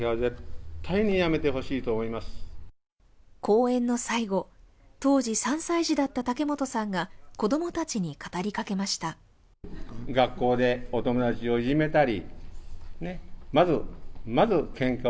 講演の最後、当時３歳児だった竹本さんが子供たちに語りかけました。